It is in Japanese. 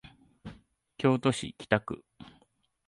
京都市北区